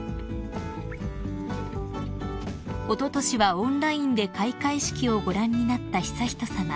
［おととしはオンラインで開会式をご覧になった悠仁さま］